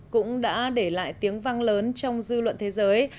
cũng đã để lại tiếng vang lớn trong dư luận thế giới